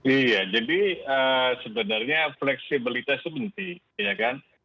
iya jadi sebenarnya fleksibilitas itu penting ya kan